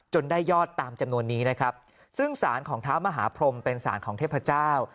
ได้ยอดตามจำนวนนี้นะครับซึ่งสารของเท้ามหาพรมเป็นสารของเทพเจ้า